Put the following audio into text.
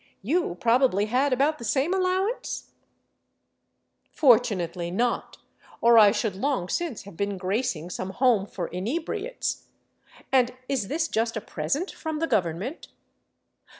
You probably had about the same allowance ?" 277 VAGABONDING DOWN THE ANDES " Fortunately not, or I should long since have been gracing some home for inebriates. And is this just a present from the govern ment